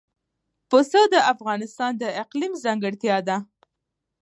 پسه د افغانستان د اقلیم ځانګړتیا ده.